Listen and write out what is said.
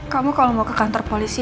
kamu kalau mau ke kantor polisi